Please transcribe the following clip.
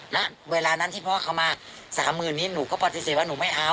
ณเวลานั้นที่พ่อเขามา๓๐๐๐นี้หนูก็ปฏิเสธว่าหนูไม่เอา